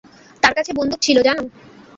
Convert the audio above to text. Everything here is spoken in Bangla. তার কাছে বন্দুক ছিল জানো?